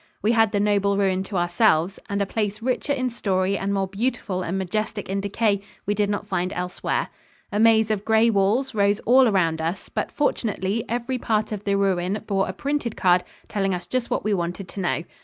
We had the noble ruin to ourselves, and a place richer in story and more beautiful and majestic in decay we did not find elsewhere. A maze of gray walls rose all around us, but fortunately every part of the ruin bore a printed card telling us just what we wanted to know.